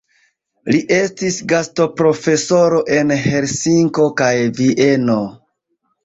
Li estis gastoprofesoro en Helsinko kaj Vieno.